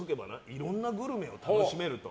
いろんなグルメを楽しめると。